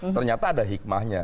ternyata ada hikmahnya